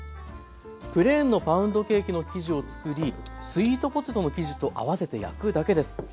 プレーンのパウンドケーキの生地をつくりスイートポテトの生地と合わせて焼くだけです。